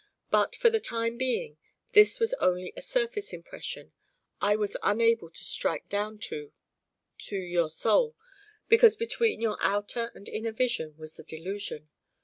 But for the time being this was only a surface impression. It was unable to strike down to to your soul, because between your outer and inner vision was the delusion.